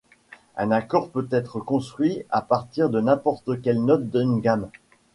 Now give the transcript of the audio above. Un accord peut être construit à partir de n'importe quelle note d'une gamme.